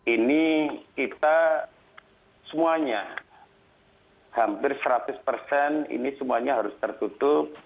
ini kita semuanya hampir seratus persen ini semuanya harus tertutup